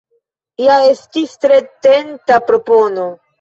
Ja estis tre tenta propono!